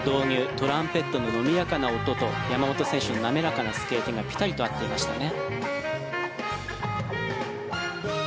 トランペットの伸びやかな音と山本選手の滑らかなスケートにぴたりと合っていましたね。